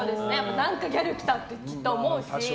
何かギャル来た！ってきっと思うし。